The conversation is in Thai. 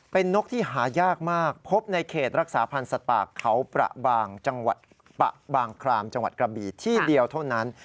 เป็นนกที่หายากมากพบในเขตรักษาพันธ์สัตว์ป่าเขาประบางจังหวัดปะบางครามจังหวัดกระบีที่เดียวเท่านั้น